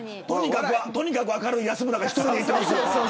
とにかく明るい安村が１人で行ってますよ。